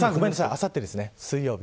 あさってですね、水曜日。